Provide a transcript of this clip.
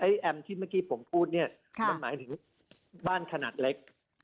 แอมที่เมื่อกี้ผมพูดหมายถึงบ้านขนาดเล็ก